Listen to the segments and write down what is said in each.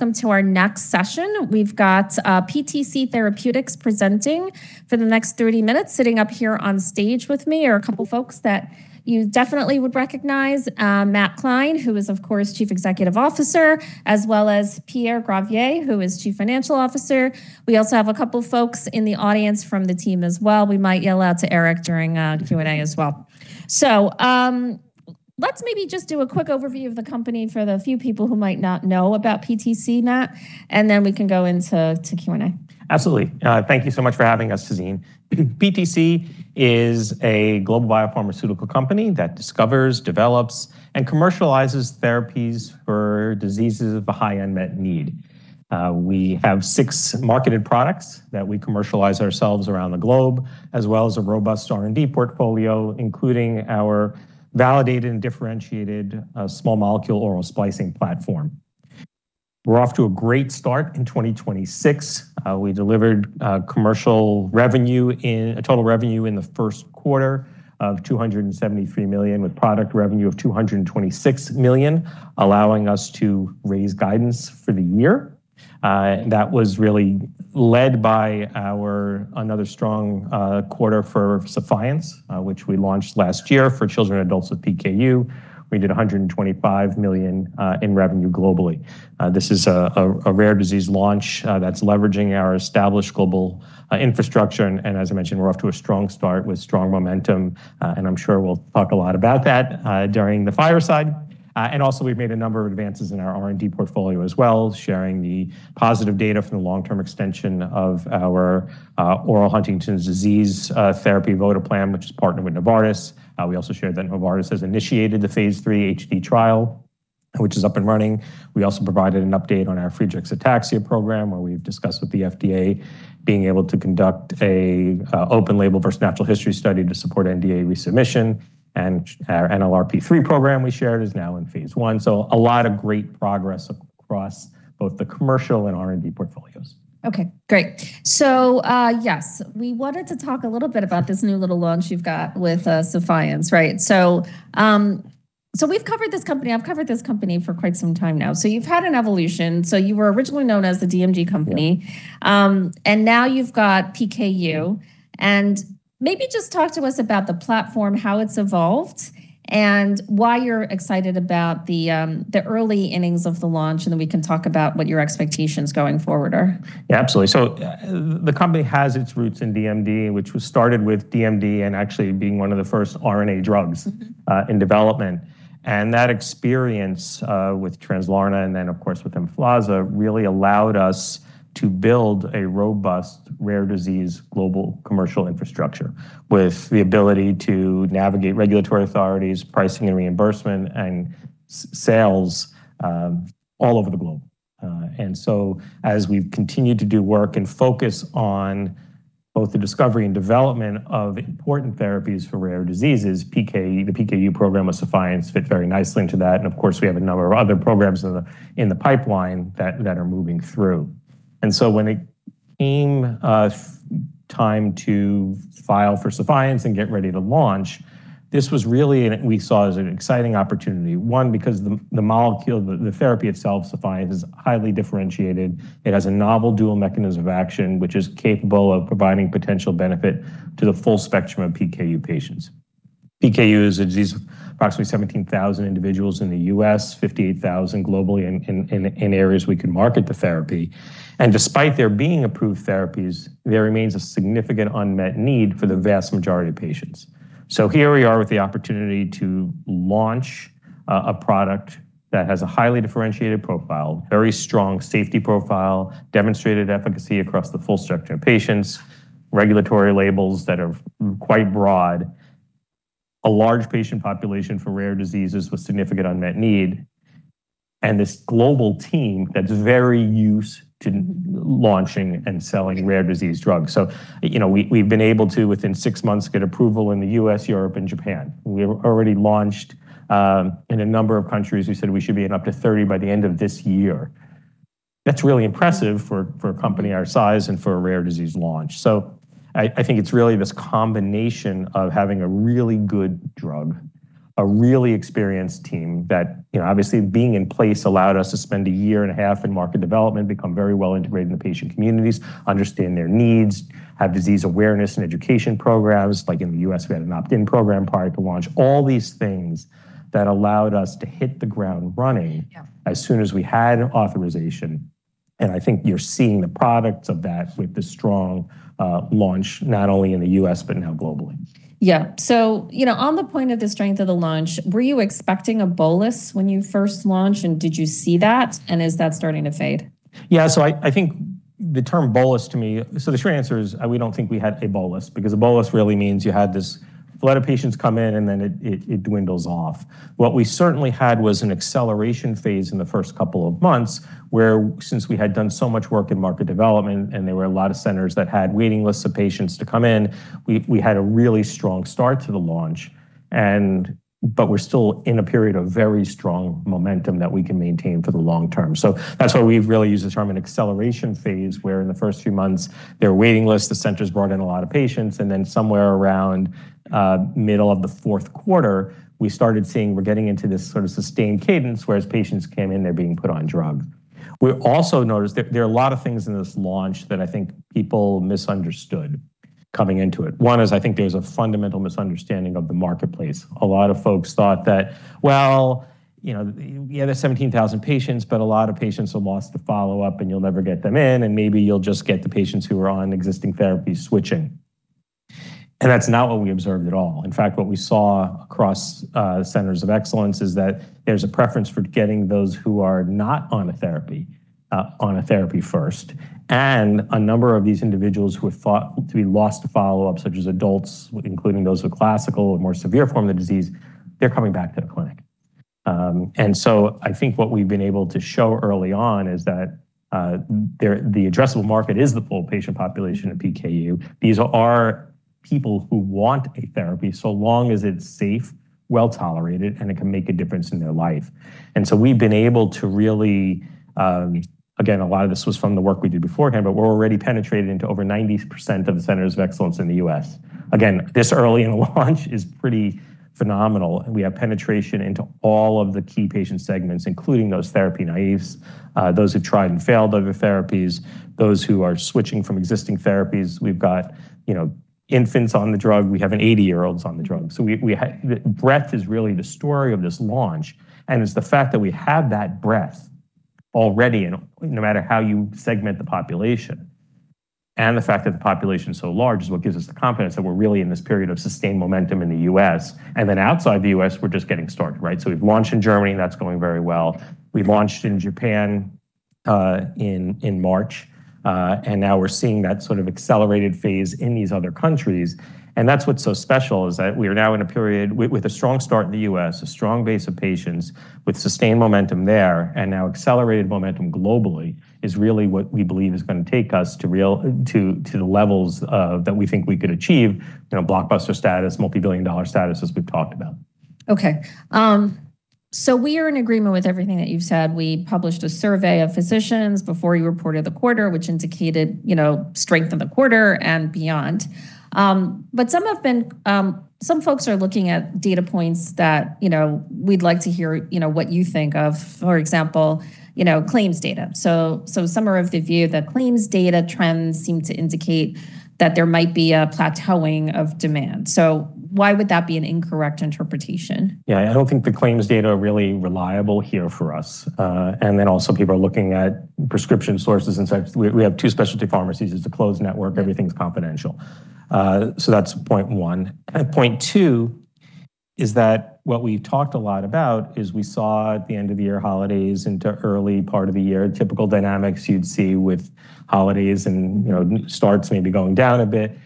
Welcome to our next session. We've got PTC Therapeutics presenting for the next 30 minutes. Sitting up here on stage with me are a couple folks that you definitely would recognize. Matt Klein, who is, of course, Chief Executive Officer, as well as Pierre Gravier, who is Chief Financial Officer. We also have a couple folks in the audience from the team as well. We might yell out to Eric during Q&A as well. Let's maybe just do a quick overview of the company for the few people who might not know about PTC, Matt, and then we can go into to Q&A. Absolutely. Thank you so much for having us, Tazeen. PTC is a global biopharmaceutical company that discovers, develops, and commercializes therapies for diseases of a high unmet need. We have six marketed products that we commercialize ourselves around the globe, as well as a robust R&D portfolio, including our validated and differentiated small molecule oral splicing platform. We're off to a great start in 2026. We delivered commercial revenue total revenue in the first quarter of $273 million, with product revenue of $226 million, allowing us to raise guidance for the year. That was really led by our another strong quarter for SEPHIENCE, which we launched last year for children and adults with PKU. We did $125 million in revenue globally. This is a rare disease launch that's leveraging our established global infrastructure, and as I mentioned, we're off to a strong start with strong momentum, and I'm sure we'll talk a lot about that during the fireside. Also, we've made a number of advances in our R&D portfolio as well, sharing the positive data from the long-term extension of our oral Huntington's disease therapy votoplam, which is partnered with Novartis. We also shared that Novartis has initiated the phase III HD trial, which is up and running. We also provided an update on our Friedreich's ataxia program, where we've discussed with the FDA being able to conduct a open label versus natural history study to support NDA resubmission. Our NLRP3 program we shared is now in phase I. A lot of great progress across both the commercial and R&D portfolios. Okay, great. Yes. We wanted to talk a little bit about this new little launch you've got with SEPHIENCE, right? We've covered this company. I've covered this company for quite some time now. You've had an evolution. You were originally known as the DMD company. Now you've got PKU, and maybe just talk to us about the platform, how it's evolved, and why you're excited about the early innings of the launch, and then we can talk about what your expectations going forward are. Yeah, absolutely. The company has its roots in DMD, which was started with DMD and actually being one of the first RNA drugs in development. That experience with Translarna and then of course with Emflaza really allowed us to build a robust rare disease global commercial infrastructure with the ability to navigate regulatory authorities, pricing and reimbursement, and sales all over the globe. As we've continued to do work and focus on both the discovery and development of important therapies for rare diseases, the PKU program with SEPHIENCE fit very nicely into that. Of course, we have a number of other programs in the pipeline that are moving through. When it came time to file for SEPHIENCE and get ready to launch, this was really we saw as an exciting opportunity. One, because the molecule, the therapy itself, SEPHIENCE, is highly differentiated. It has a novel dual mechanism of action, which is capable of providing potential benefit to the full spectrum of PKU patients. PKU is a disease approximately 17,000 individuals in the U.S., 58,000 globally in areas we can market the therapy. Despite there being approved therapies, there remains a significant unmet need for the vast majority of patients. Here we are with the opportunity to launch a product that has a highly differentiated profile, very strong safety profile, demonstrated efficacy across the full spectrum of patients, regulatory labels that are quite broad, a large patient population for rare diseases with significant unmet need, and this global team that's very used to launching and selling rare disease drugs. You know, we've been able to, within six months, get approval in the U.S., Europe, and Japan. We have already launched in a number of countries. We said we should be in up to 30 by the end of this year. That's really impressive for a company our size and for a rare disease launch. I think it's really this combination of having a really good drug, a really experienced team that, you know, obviously being in place allowed us to spend a year and a half in market development, become very well integrated in the patient communities, understand their needs, have disease awareness and education programs. Like in the U.S., we had an opt-in program prior to launch. All these things that allowed us to hit the ground running. Yeah. As soon as we had authorization, and I think you're seeing the products of that with the strong launch, not only in the U.S., but now globally. Yeah. You know, on the point of the strength of the launch, were you expecting a bolus when you first launched, and did you see that, and is that starting to fade? Yeah. I think the term bolus to me. The short answer is, we don't think we had a bolus because a bolus really means you had this flood of patients come in, and then it dwindles off. What we certainly had was an acceleration phase in the first couple of months, where since we had done so much work in market development and there were a lot of centers that had waiting lists of patients to come in, we had a really strong start to the launch and but we're still in a period of very strong momentum that we can maintain for the long term. That's why we've really used the term an acceleration phase, where in the first few months, there are waiting lists, the centers brought in a lot of patients, and then somewhere around, middle of the 4th quarter, we started seeing we're getting into this sort of sustained cadence, whereas patients came in, they're being put on drug. We also noticed there are a lot of things in this launch that I think people misunderstood coming into it. One is I think there's a fundamental misunderstanding of the marketplace. A lot of folks thought that, you know, there's 17,000 patients, but a lot of patients have lost the follow-up, and you'll never get them in, and maybe you'll just get the patients who are on existing therapies switching. That's not what we observed at all. In fact, what we saw across centers of excellence is that there's a preference for getting those who are not on a therapy on a therapy first. A number of these individuals who had fought to be lost to follow-up, such as adults, including those with classical and more severe form of the disease, they're coming back to the clinic. I think what we've been able to show early on is that the addressable market is the full patient population at PKU. These are people who want a therapy, so long as it's safe, well-tolerated, and it can make a difference in their life. We've been able to really, again, a lot of this was from the work we did beforehand, but we're already penetrated into over 90% of the centers of excellence in the U.S. This early in the launch is pretty phenomenal, and we have penetration into all of the key patient segments, including those therapy naives, those who tried and failed other therapies, those who are switching from existing therapies. We've got, you know, infants on the drug. We have an 80-year-olds on the drug. We the breadth is really the story of this launch, and it's the fact that we have that breadth already and no matter how you segment the population. The fact that the population is so large is what gives us the confidence that we're really in this period of sustained momentum in the U.S. Outside the U.S., we're just getting started, right? We've launched in Germany, and that's going very well. We launched in Japan, in March, now we're seeing that sort of accelerated phase in these other countries. That's what's so special is that we are now in a period with a strong start in the U.S., a strong base of patients with sustained momentum there, now accelerated momentum globally is really what we believe is going to take us to the levels of that we think we could achieve, you know, blockbuster status, multi-billion dollar status, as we've talked about. Okay. We are in agreement with everything that you've said. We published a survey of physicians before you reported the quarter, which indicated, you know, strength of the quarter and beyond. Some folks are looking at data points that, you know, we'd like to hear, you know, what you think of, for example, you know, claims data. Some are of the view that claims data trends seem to indicate that there might be a plateauing of demand. Why would that be an incorrect interpretation? I don't think the claims data are really reliable here for us. Also people are looking at prescription sources and such. We have two specialty pharmacies. It's a closed network. Everything's confidential. That's point one. Point two is that what we've talked a lot about is we saw at the end of the year holidays into early part of the year, typical dynamics you'd see with holidays and, you know, starts maybe going down a bit,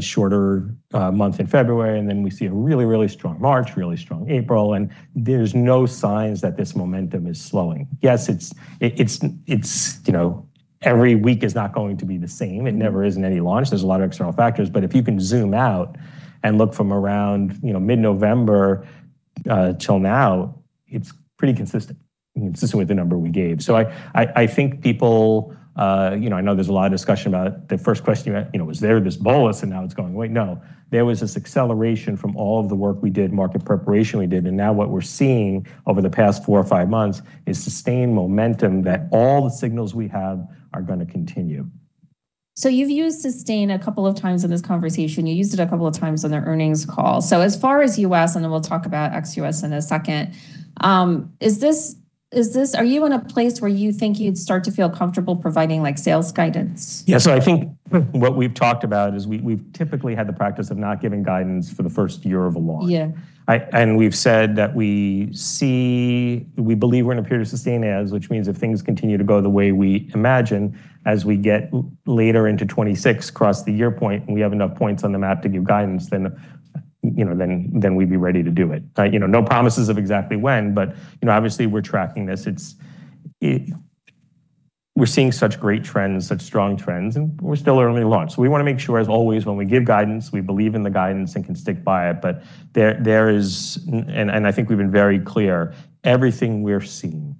shorter month in February. We see a really strong March, really strong April. There's no signs that this momentum is slowing. Yes, it's, you know, every week is not going to be the same. It never is in any launch. There's a lot of external factors. If you can zoom out and look from around, you know, mid-November, till now, it's pretty consistent with the number we gave. I think people, you know, I know there's a lot of discussion about the first question you asked, you know, was there this bolus and now it's going away? No. There was this acceleration from all of the work we did, market preparation we did, and now what we're seeing over the past four or five months is sustained momentum that all the signals we have are going to continue. You've used sustain a couple of times in this conversation. You used it a couple of times on the earnings call. As far as U.S., and then we'll talk about ex-U.S. in a second, Are you in a place where you think you'd start to feel comfortable providing, like, sales guidance? Yeah. I think what we've talked about is we've typically had the practice of not giving guidance for the first year of a launch. Yeah. We've said that we see we believe we're in a period of sustained adds, which means if things continue to go the way we imagine as we get later into 2026 across the year point, and we have enough points on the map to give guidance, then, you know, then we'd be ready to do it. You know, no promises of exactly when, but, you know, obviously we're tracking this. We're seeing such great trends, such strong trends, and we're still early in launch. We want to make sure, as always, when we give guidance, we believe in the guidance and can stick by it. There is And I think we've been very clear, everything we're seeing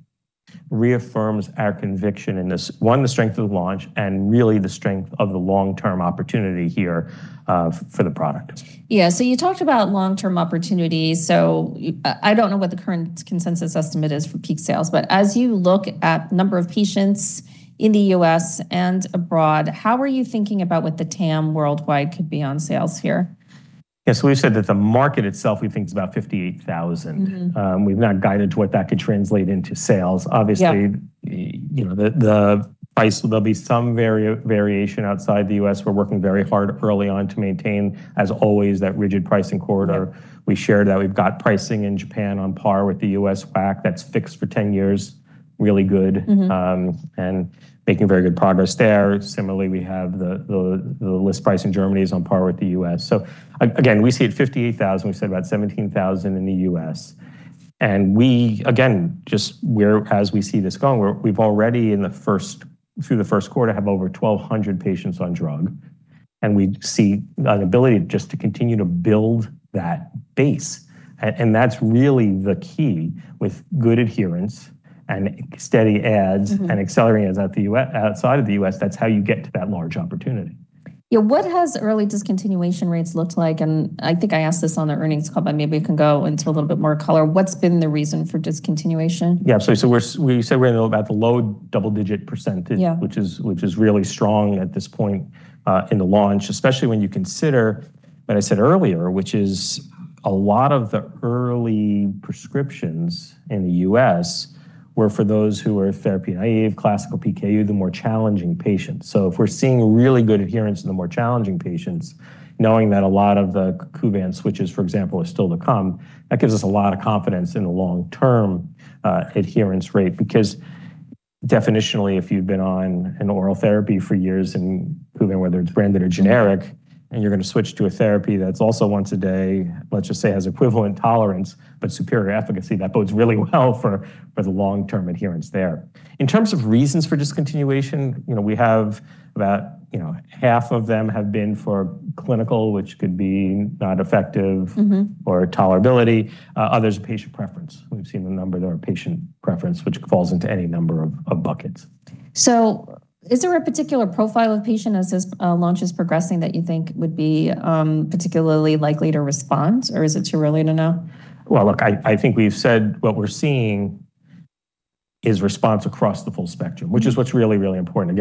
reaffirms our conviction in this. One, the strength of the launch, and really the strength of the long-term opportunity here, for the product. Yeah. You talked about long-term opportunities. I don't know what the current consensus estimate is for peak sales, but as you look at number of patients in the U.S. and abroad, how are you thinking about what the TAM worldwide could be on sales here? Yeah. We've said that the market itself, we think is about 58,000. We've not guided to what that could translate into sales. Yeah. Obviously, you know, the price, there'll be some variation outside the U.S. We're working very hard early on to maintain, as always, that rigid pricing corridor. We shared that we've got pricing in Japan on par with the U.S. WAC that's fixed for 10 years, really good. Making very good progress there. Similarly, we have the list price in Germany is on par with the U.S. Again, we see it 58,000. We've said about 17,000 in the U.S. We, again, just as we see this going, we've already through the first quarter, have over 1,200 patients on drug, and we see an ability just to continue to build that base. That's really the key with good adherence and steady ads and accelerating ads outside of the U.S., that's how you get to that large opportunity. Yeah. What has early discontinuation rates looked like? I think I asked this on the earnings call, but maybe we can go into a little bit more color. What's been the reason for discontinuation? Yeah. We said we're in about the low double-digit percentage. Yeah. Which is really strong at this point in the launch, especially when you consider what I said earlier, which is. A lot of the early prescriptions in the U.S. were for those who were therapy naive, classical PKU, the more challenging patients. If we're seeing really good adherence in the more challenging patients, knowing that a lot of the KUVAN switches, for example, are still to come, that gives us a lot of confidence in the long-term adherence rate. Definitionally, if you've been on an oral therapy for years and proven whether it's branded or generic, and you're going to switch to a therapy that's also once a day, let's just say has equivalent tolerance, but superior efficacy, that bodes really well for the long-term adherence there. In terms of reasons for discontinuation, you know, we have about, you know, half of them have been for clinical, which could be not effective or tolerability, others patient preference. We've seen a number that are patient preference, which falls into any number of buckets. Is there a particular profile of patient as this launch is progressing that you think would be particularly likely to respond, or is it too early to know? Well, look, I think we've said what we're seeing is response across the full spectrum, which is what's really, really important.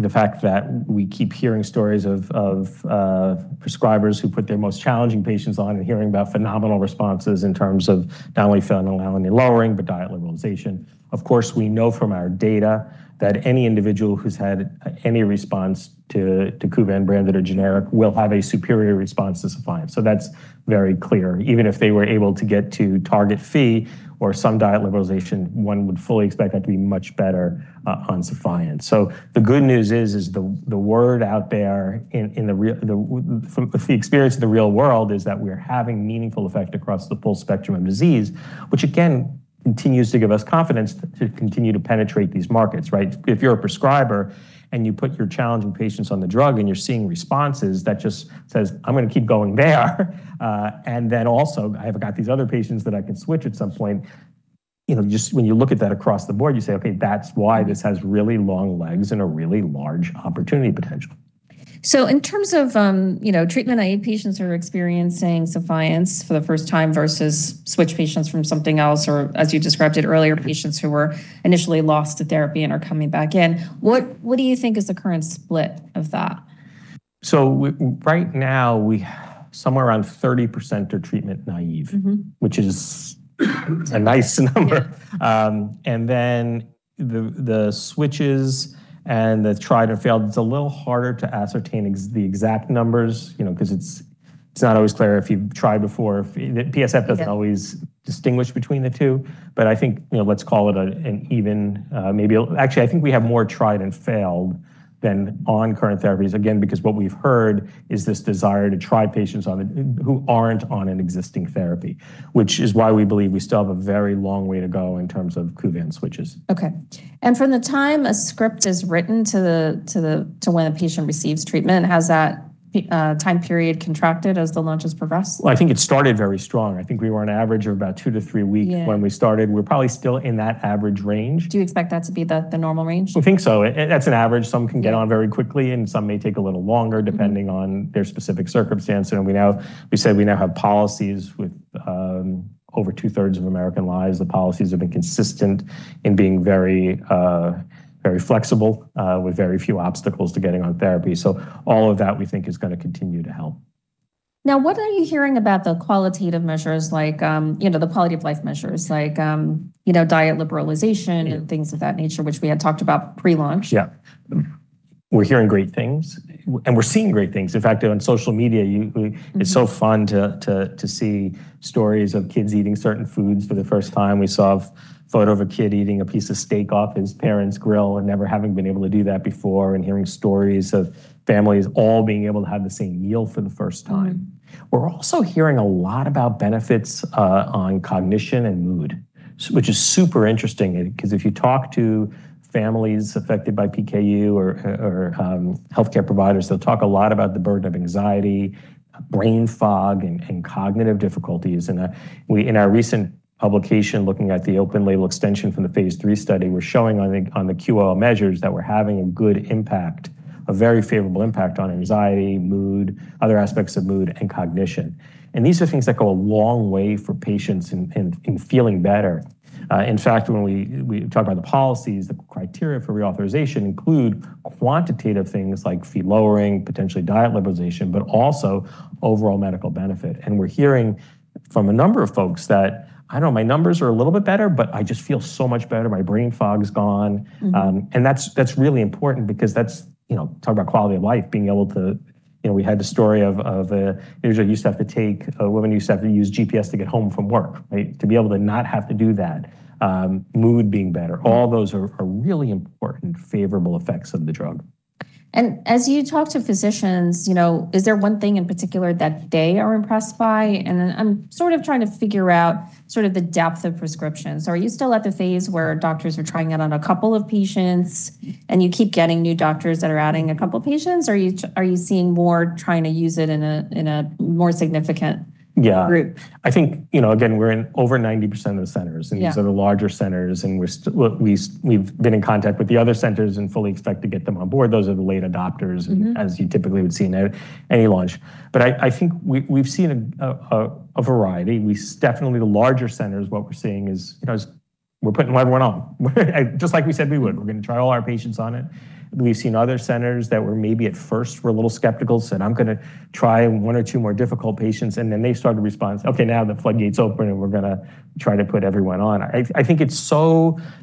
The fact that we keep hearing stories of prescribers who put their most challenging patients on and hearing about phenomenal responses in terms of not only phenylalanine lowering but diet liberalization. Of course, we know from our data that any individual who's had any response to KUVAN branded or generic will have a superior response to SEPHIENCE. That's very clear. Even if they were able to get to target Phe or some diet liberalization, one would fully expect that to be much better on SEPHIENCE. The good news is the word out there in the real world experience is that we're having meaningful effect across the full spectrum of disease, which again, continues to give us confidence to continue to penetrate these markets, right? If you're a prescriber and you put your challenging patients on the drug and you're seeing responses, that just says, "I'm gonna keep going there." Also, I have got these other patients that I can switch at some point. You know, just when you look at that across the board, you say, "Okay, that's why this has really long legs and a really large opportunity potential. In terms of, you know, treatment-naive patients who are experiencing SEPHIENCE for the first time versus switch patients from something else, or as you described it earlier, patients who were initially lost to therapy and are coming back in, what do you think is the current split of that? Right now, we somewhere around 30% are treatment naive. Which is a nice number. The switches and the tried and failed, it's a little harder to ascertain the exact numbers, you know, because it's not always clear if you've tried before. If PSF doesn't. Yeah. Always distinguish between the two, but I think, you know, let's call it an even, Actually, I think we have more tried and failed than on current therapies, again, because what we've heard is this desire to try patients on it who aren't on an existing therapy, which is why we believe we still have a very long way to go in terms of KUVAN switches. Okay. From the time a script is written to when a patient receives treatment, has that time period contracted as the launch has progressed? Well, I think it started very strong. I think we were an average of about two to three weeks. Yeah. When we started. We're probably still in that average range. Do you expect that to be the normal range? We think so. That's an average. Some can get on very quickly, and some may take a little longer depending on their specific circumstance. You know, we said we now have policies with over 2/3 of American lives. The policies have been consistent in being very, very flexible, with very few obstacles to getting on therapy. All of that, we think, is gonna continue to help. Now, what are you hearing about the qualitative measures like, you know, the quality-of-life measures like, you know, diet liberalization. Things of that nature, which we had talked about pre-launch? Yeah. We're hearing great things, and we're seeing great things. In fact, on social media, it's so fun to see stories of kids eating certain foods for the first time. We saw a photo of a kid eating a piece of steak off his parents' grill and never having been able to do that before, and hearing stories of families all being able to have the same meal for the first time. We're also hearing a lot about benefits on cognition and mood, which is super interesting because if you talk to families affected by PKU or healthcare providers, they'll talk a lot about the burden of anxiety, brain fog, and cognitive difficulties. We, in our recent publication looking at the open-label extension from the phase III study, we're showing on the QOL measures that we're having a good impact, a very favorable impact on anxiety, mood, other aspects of mood, and cognition. These are things that go a long way for patients in feeling better. In fact, when we talk about the policies, the criteria for reauthorization include quantitative things like Phe lowering, potentially diet liberalization, but also overall medical benefit. We're hearing from a number of folks that, "I know my numbers are a little bit better, but I just feel so much better. My brain fog is gone". That's, that's really important because that's, you know, talk about quality of life, being able to. You know, we had the story of [use to take] a woman who used to have to use GPS to get home from work, right? To be able to not have to do that, mood being better. All those are really important favorable effects of the drug. As you talk to physicians, you know, is there one thing in particular that they are impressed by? Then I'm sort of trying to figure out sort of the depth of prescriptions. Are you still at the phase where doctors are trying it on a couple of patients and you keep getting new doctors that are adding a couple patients? Or are you seeing more trying to use it in a, in a more significant- Yeah. group? I think, you know, again, we're in over 90% of the centers. Yeah. These are the larger centers, and we've been in contact with the other centers and fully expect to get them on board. Those are the late adopters as you typically would see in any launch. I think we've seen a variety. Definitely, the larger centers, what we're seeing is, you know, we're putting everyone on. Just like we said we would. We're gonna try all our patients on it. We've seen other centers that were maybe at first a little skeptical, said, "I'm gonna try one or two more difficult patients," and then they started to respond. Okay, now the floodgate's open. We're gonna try to put everyone on. I think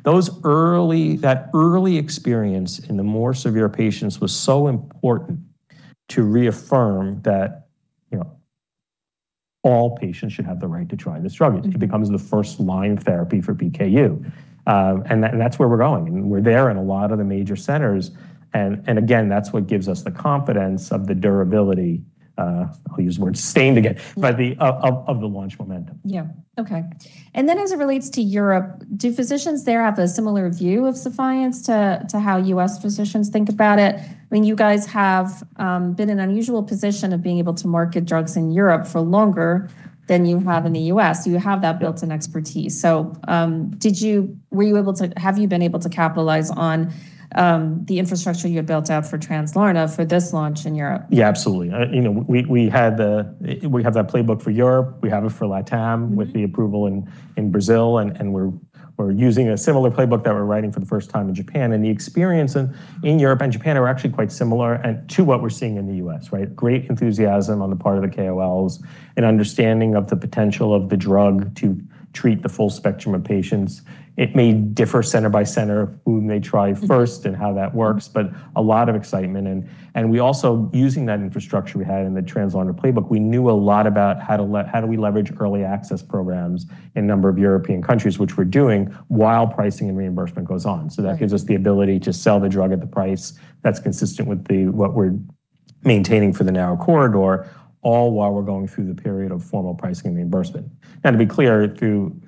Those early, that early experience in the more severe patients was so important to reaffirm that, you know, all patients should have the right to try this drug. It becomes the first line therapy for PKU. That's where we're going. I mean, we're there in a lot of the major centers again, that's what gives us the confidence of the durability, I'll use the word sustained again the of the launch momentum. Yeah. Okay. As it relates to Europe, do physicians there have a similar view of SEPHIENCE to how U.S. physicians think about it? I mean, you guys have been in an unusual position of being able to market drugs in Europe for longer than you have in the U.S., so you have that built-in expertise. Have you been able to capitalize on the infrastructure you had built out for Translarna for this launch in Europe? Yeah, absolutely. you know, we have that playbook for Europe. We have it for LATAM. WIth the approval in Brazil and we're using a similar playbook that we're writing for the first time in Japan, and the experience in Europe and Japan are actually quite similar to what we're seeing in the U.S. Great enthusiasm on the part of the KOLs and understanding of the potential of the drug to treat the full spectrum of patients. It may differ center by center who may try first and how that works, but a lot of excitement and we also, using that infrastructure we had in the Translarna playbook, we knew a lot about how to how do we leverage early access programs in a number of European countries, which we're doing while pricing and reimbursement goes on. That gives us the ability to sell the drug at the price that's consistent with the, what we're maintaining for the narrow corridor, all while we're going through the period of formal pricing and reimbursement. To be clear, through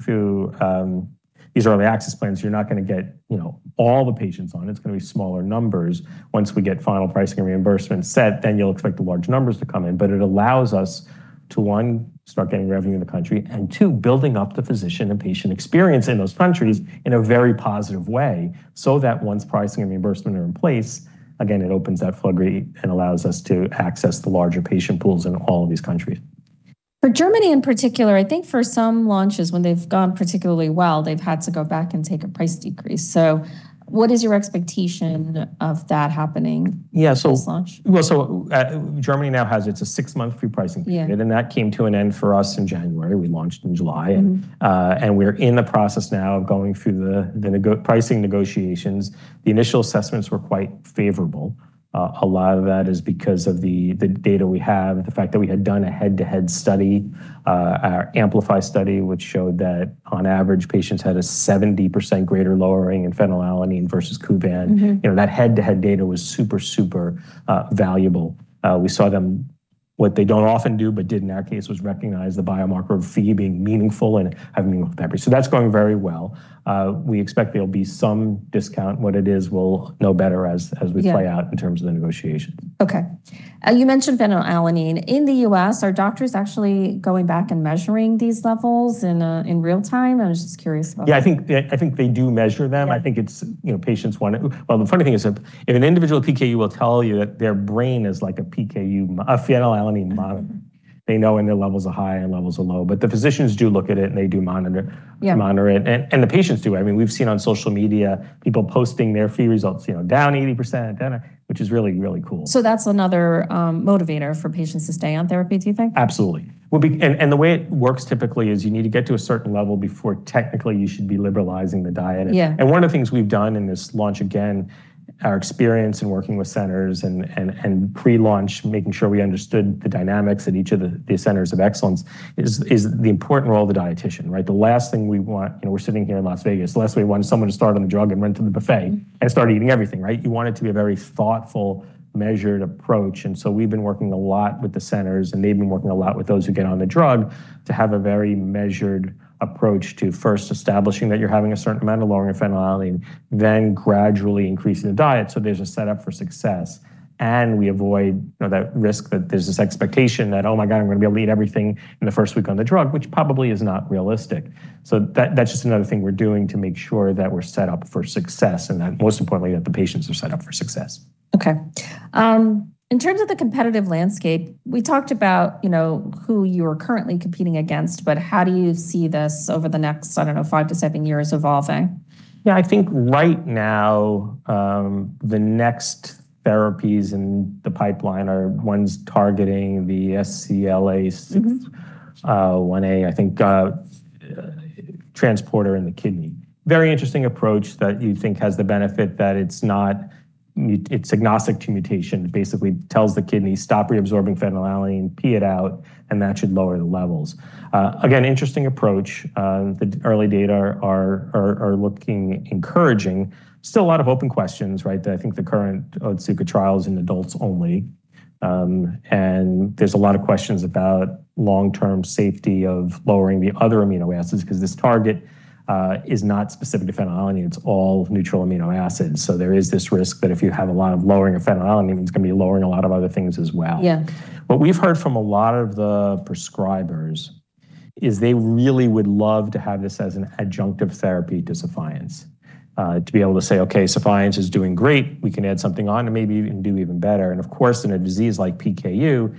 these early access plans, you're not gonna get, you know, all the patients on. It's gonna be smaller numbers. Once we get final pricing and reimbursement set, then you'll expect the large numbers to come in. It allows us to, one, start getting revenue in the country, and two, building up the physician and patient experience in those countries in a very positive way so that once pricing and reimbursement are in place, again, it opens that floodgate and allows us to access the larger patient pools in all of these countries. For Germany in particular, I think for some launches when they've gone particularly well, they've had to go back and take a price decrease. What is your expectation of that happening? Yeah, so. For this launch? Well, Germany now has, it's a six month free pricing period. Yeah. That came to an end for us in January. We launched in July. We're in the process now of going through the pricing negotiations. The initial assessments were quite favorable. A lot of that is because of the data we have, the fact that we had done a head-to-head study, our AMPLIFY study, which showed that on average, patients had a 70% greater lowering in phenylalanine versus KUVAN. You know, that head-to-head data was super valuable. We saw them, what they don't often do, but did in our case, was recognize the biomarker of Phe being meaningful and have meaningful therapy. That's going very well. We expect there'll be some discount. What it is, we'll know better as we play out- Yeah. in terms of the negotiation. Okay. You mentioned phenylalanine. In the U.S., are doctors actually going back and measuring these levels in real time? I was just curious about that. Yeah, I think, I think they do measure them. Yeah. I think it's, you know, patients want it. Well, the funny thing is that if an individual PKU will tell you that their brain is like a PKU a phenylalanine monitor. They know when their levels are high and levels are low. The physicians do look at it, and they do monitor. Yeah. Monitor it. The patients do it. I mean, we've seen on social media people posting their Phe results, you know, down 80%, which is really cool. That's another motivator for patients to stay on therapy, do you think? Absolutely. Well, the way it works typically is you need to get to a certain level before technically you should be liberalizing the diet. Yeah. One of the things we've done in this launch, again, our experience in working with centers and pre-launch, making sure we understood the dynamics at each of the centers of excellence is the important role of the dietitian, right? The last thing we want, you know, we're sitting here in Las Vegas, the last thing we want is someone to start on the drug and run to the buffet and start eating everything, right? You want it to be a very thoughtful, measured approach. We've been working a lot with the centers, and they've been working a lot with those who get on the drug to have a very measured approach to first establishing that you're having a certain amount of lowering of phenylalanine, then gradually increasing the diet so there's a setup for success. We avoid, you know, that risk that there's this expectation that, oh my God, I'm gonna be able to eat everything in the first week on the drug, which probably is not realistic. That, that's just another thing we're doing to make sure that we're set up for success and that most importantly, that the patients are set up for success. Okay. In terms of the competitive landscape, we talked about, you know, who you're currently competing against, how do you see this over the next, I don't know, five to seven years evolving? Yeah, I think right now, the next therapies in the pipeline are ones targeting the SLC6A19, I think, transporter in the kidney. Very interesting approach that you think has the benefit that it's agnostic to mutation. Basically tells the kidney, "Stop reabsorbing phenylalanine, pee it out," that should lower the levels. Again, interesting approach. The early data are looking encouraging. Still a lot of open questions, right? That I think the current Otsuka trial is in adults only. There's a lot of questions about long-term safety of lowering the other amino acids 'cause this target is not specific to phenylalanine. It's all neutral amino acids. There is this risk that if you have a lot of lowering of phenylalanine, it's gonna be lowering a lot of other things as well. Yeah. What we've heard from a lot of the prescribers is they really would love to have this as an adjunctive therapy to SEPHIENCE, to be able to say, "Okay, SEPHIENCE is doing great. We can add something on and maybe even do even better." Of course, in a disease like PKU,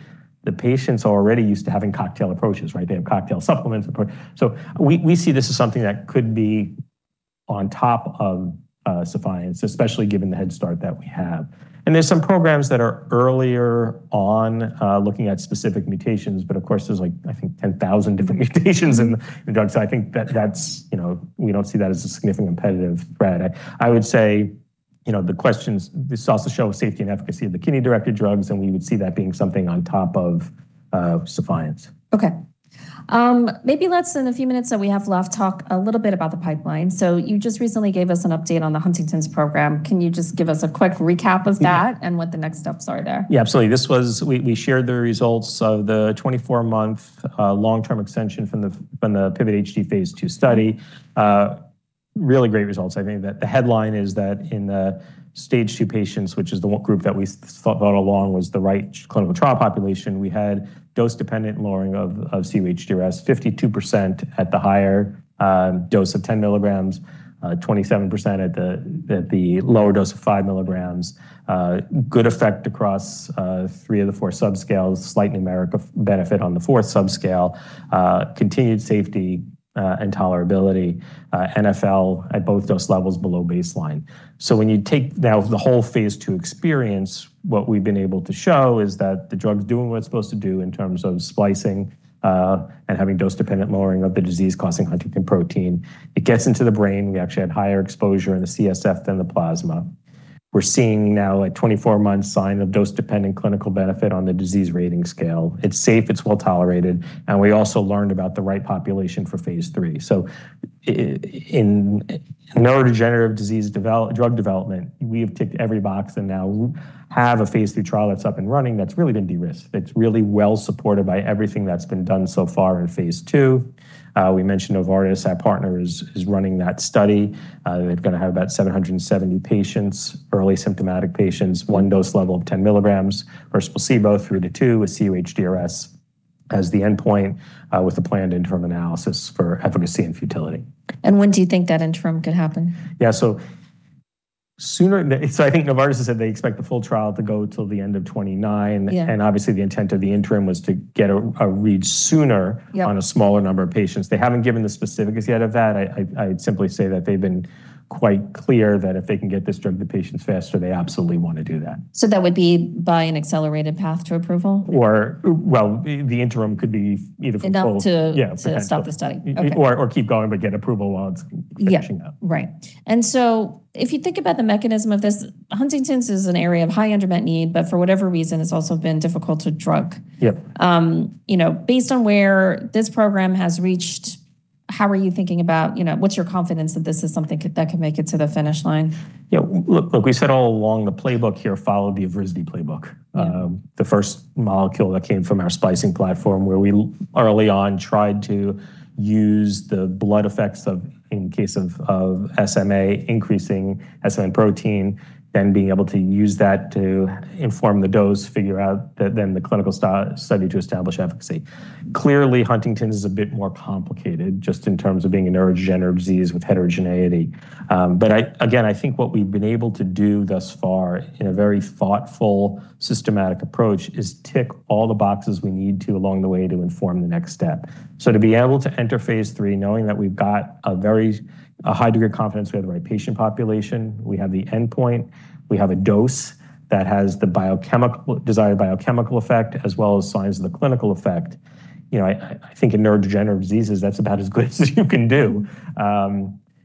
the patient's already used to having cocktail approaches, right? They have cocktail supplements approach. We see this as something that could be on top of SEPHIENCE, especially given the head start that we have. There's some programs that are earlier on, looking at specific mutations, but of course, there's like, I think, 10,000 different mutations in drugs. I think that that's, you know. We don't see that as a significant competitive threat. I would say, you know, this also show safety and efficacy of the kidney-directed drugs, and we would see that being something on top of SEPHIENCE. Okay. Maybe let's, in the few minutes that we have left, talk a little bit about the pipeline. You just recently gave us an update on the Huntington's program. Can you just give us a quick recap of that? Yeah. What the next steps are there? Yeah, absolutely. We shared the results of the 24-month long-term extension from the PIVOT-HD phase II study. Really great results. I think that the headline is that in the stage 2 patients, which is the group that we thought went along was the right clinical trial population, we had dose-dependent lowering of cUHDRS 52% at the higher dose of 10mg, 27% at the lower dose of 5mg. Good effect across three of the four subscales, slight numeric benefit on the fourth subscale. Continued safety and tolerability, NfL at both dose levels below baseline. When you take now the whole phase II experience, what we've been able to show is that the drug's doing what it's supposed to do in terms of splicing, and having dose-dependent lowering of the disease causing huntingtin protein. It gets into the brain. We actually had higher exposure in the CSF than the plasma. We're seeing now a 24-month sign of dose-dependent clinical benefit on the disease rating scale. It's safe, it's well-tolerated, and we also learned about the right population for phase III. In neurodegenerative disease drug development, we have ticked every box and now have a phase III trial that's up and running that's really been de-risked. It's really well supported by everything that's been done so far in phase II. We mentioned Novartis, our partner, is running that study. They're gonna have about 770 patients, early symptomatic patients, one dose level of 10mg versus placebo through phase II with cUHDRS as the endpoint, with a planned interim analysis for efficacy and futility. When do you think that interim could happen? Yeah, I think Novartis has said they expect the full trial to go till the end of 2029. Yeah. Obviously, the intent of the interim was to get a read sooner. Yep. On a smaller number of patients. They haven't given the specifics yet of that. I'd simply say that they've been quite clear that if they can get this drug to patients faster, they absolutely wanna do that. That would be by an accelerated path to approval? Well, the interim could be either full- Enough to- Yeah. to stop the study. Okay. Keep going but get approval while it's finishing up. Yeah. Right. If you think about the mechanism of this, Huntington's is an area of high unmet need, but for whatever reason, it's also been difficult to drug. Yep. You know, based on where this program has reached, how are you thinking about, you know, what's your confidence that this is something that could make it to the finish line? Look, we said all along the playbook here followed the Evrysdi playbook. The first molecule that came from our splicing platform where we early on tried to use the blood effects of, in case of, SMA, increasing SMA protein, then being able to use that to inform the dose, figure out then the clinical study to establish efficacy. Clearly, Huntington's is a bit more complicated just in terms of being a neurodegenerative disease with heterogeneity. I, again, I think what we've been able to do thus far in a very thoughtful, systematic approach is tick all the boxes we need to along the way to inform the next step. To be able to enter phase III knowing that we've got a very high degree of confidence we have the right patient population, we have the endpoint, we have a dose that has the desired biochemical effect as well as signs of the clinical effect, you know, I think in neurodegenerative diseases, that's about as good as you can do.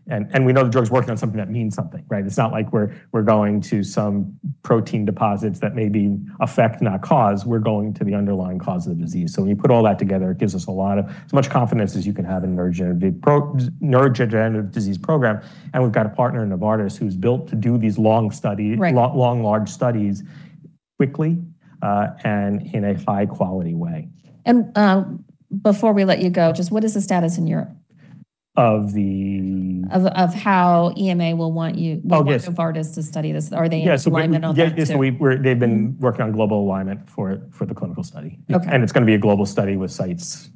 We know the drug's working on something that means something, right? It's not like we're going to some protein deposits that maybe affect, not cause. We're going to the underlying cause of the disease. When you put all that together, it gives us a lot of as much confidence as you can have in a neurodegenerative disease program, and we've got a partner in Novartis who's built to do these long study. Right. Long, large studies quickly, and in a high-quality way. Before we let you go, just what is the status in Europe? Of the? Of how EMA will want you. Oh, yes. Will want Novartis to study this? Are they in alignment on that too? Yeah. They've been working on global alignment for the clinical study. Okay. It's gonna be a global study with sites.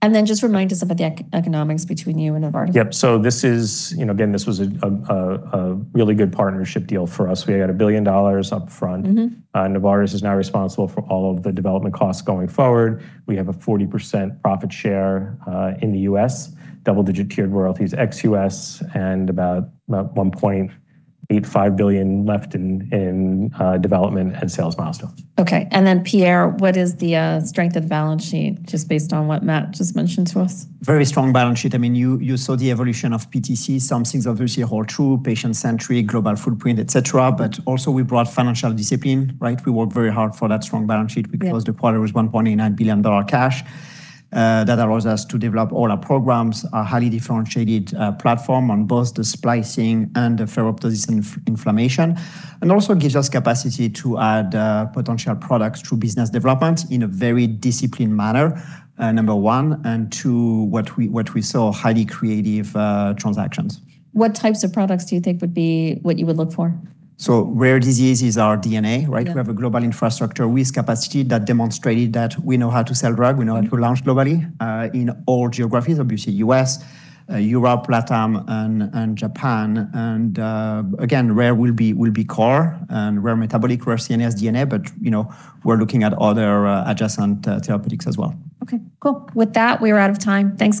Then just remind us about the economics between you and Novartis. Yep. This is, you know, again, this was a really good partnership deal for us. We got a billion up front. Novartis is now responsible for all of the development costs going forward. We have a 40% profit share in the U.S., double-digit tiered royalties ex-U.S., and about $1.85 billion left in development and sales milestones. Okay. Pierre, what is the strength of the balance sheet, just based on what Matt just mentioned to us? Very strong balance sheet. I mean, you saw the evolution of PTC, some things obviously hold true, patient-centric, global footprint, et cetera. Also we brought financial discipline, right? We worked very hard for that strong balance sheet. Yeah. We closed the quarter with $1.89 billion cash. That allows us to develop all our programs, a highly differentiated platform on both the splicing and the ferroptosis inflammation, and also gives us capacity to add potential products through business development in a very disciplined manner, number one, and two, what we saw, highly creative transactions. What types of products do you think would be what you would look for? Rare disease is our DNA, right? We have a global infrastructure with capacity that demonstrated that we know how to sell drug. We know how to launch globally, in all geographies, obviously U.S., Europe, LATAM, and Japan. Rare will be core and rare metabolic, rare CNS DNA, but you know, we're looking at other adjacent therapeutics as well. Okay, cool. With that, we are out of time. Thanks, guys.